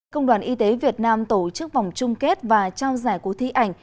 công đoàn y tế việt nam tổ chức vòng chung kết và trao giải cuộc thi ảnh